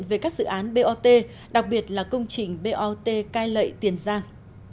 về các dự án bot đặc biệt là công trình bot cai lệ tiền giang